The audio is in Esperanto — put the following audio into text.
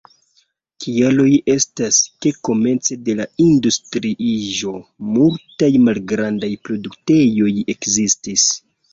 Kialoj estas, ke komence de la industriiĝo multaj malgrandaj produktejoj ekzistis.